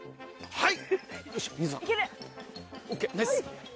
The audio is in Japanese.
はい。